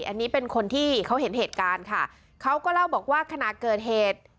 อันนี้เป็นคนที่เขาเห็นเหตุการณ์ค่ะเขาก็เล่าบอกว่าขณะเกิดเหตุ